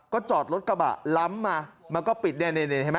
ก็จอดรถกระบะล้ำมามันก็ปิดเนี่ยเห็นไหม